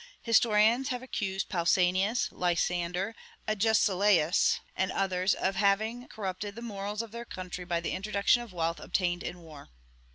Historians have accused Pausanias, Lysander, Agesilaus, and others of having corrupted the morals of their country by the introduction of wealth obtained in war.